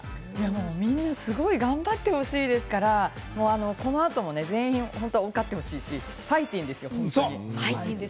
みんなすごく頑張ってほしいですから、この後も全員受かってほしいし、ファイティンですよ。